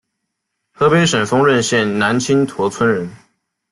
河北省丰润县南青坨村人。